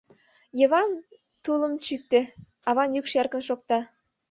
Йыван тулым чӱктӧ, — аван йӱкшӧ эркын шокта.